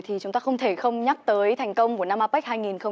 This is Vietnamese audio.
thì chúng ta không thể không nhắc tới thành công của nam apec hai nghìn một mươi bảy